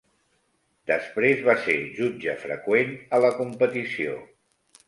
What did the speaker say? Després va ser jutge freqüent a la competició.